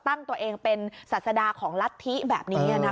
ตั้งตัวเองเป็นศาสดาของรัฐธิแบบนี้